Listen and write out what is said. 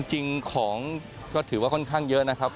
จริงของก็ถือว่าค่อนข้างเยอะนะครับ